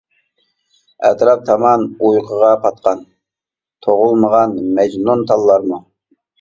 ئەتراپ تامان ئۇيقۇغا پاتقان، تۇغۇلمىغان مەجنۇنتاللارمۇ.